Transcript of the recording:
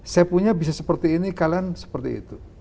saya punya bisa seperti ini kalian seperti itu